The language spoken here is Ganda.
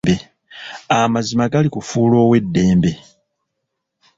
Amazima gali kufuula ow'eddembe.